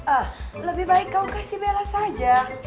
ah lebih baik kau kasih bella saja